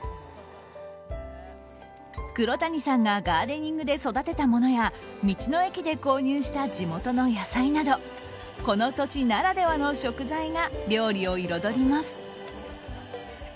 黒谷さんがガーデニングで育てたものや道の駅で購入した地元の野菜などこの土地ならではの食材が料理を彩ります。